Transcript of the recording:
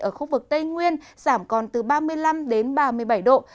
ở khu vực tây nguyên giảm còn từ ba mươi năm đến ba mươi bảy độ